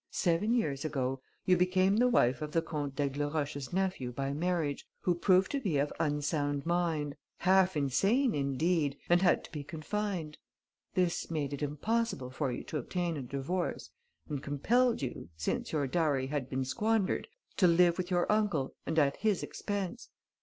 Seven years ago, you became the wife of the Comte d'Aigleroche's nephew by marriage, who proved to be of unsound mind, half insane indeed, and had to be confined. This made it impossible for you to obtain a divorce and compelled you, since your dowry had been squandered, to live with your uncle and at his expense.